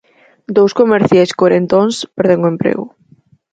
Dous comerciais corentóns perden o emprego.